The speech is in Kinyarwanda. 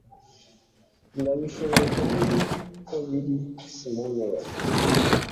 ndabishoboye, kandi ni ko biri. - simone weil